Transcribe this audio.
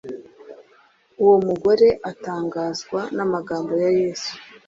Uwo mugore atangazwa n'amagambo ya Yesu.